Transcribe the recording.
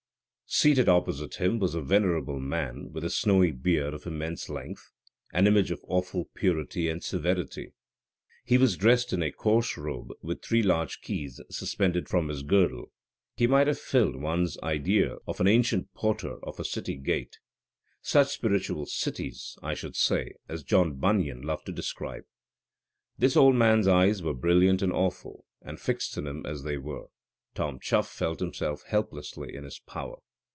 Seated opposite to him was a venerable man with a snowy beard of immense length; an image of awful purity and severity. He was dressed in a coarse robe, with three large keys suspensed from his girdle. He might have filled one's idea of an ancient porter of a city gate; such spiritual cities, I should say, as John Bunyan loved to describe. This old man's eyes were brilliant and awful, and fixed on him as they were, Tom Chuff felt himself helplessly in his power.